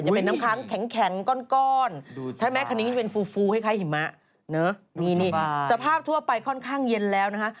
จะเป็นน้ำค้างแข็งก้อนใช่ไหมคันนี้จะเป็นฟูฟูคล้ายหิมะนี่นี่สภาพทั่วไปค่อนข้างเย็นแล้วนะคะ